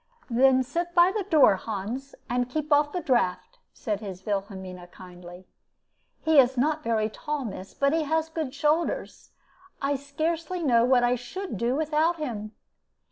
"Then sit by the door, Hans, and keep off the draught," said his Wilhelmina, kindly. "He is not very tall, miss, but he has good shoulders; I scarcely know what I should do without him.